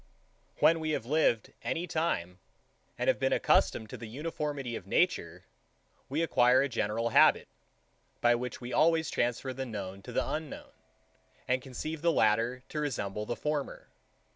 1. When we have lived any time, and have been accustomed to the uniformity of nature, we acquire a general habit, by which we always transfer the known to the unknown, and conceive the latter to resemble the former.